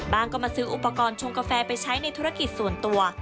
ก็มาซื้ออุปกรณ์ชงกาแฟไปใช้ในธุรกิจส่วนตัว